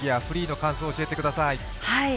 フリーの感想を教えてください。